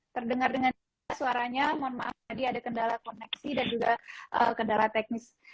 terdengar dengan suaranya mohon maaf tadi ada kendala koneksi dan juga kendala teknis